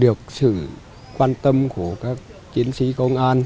được sự quan tâm của các chiến sĩ công an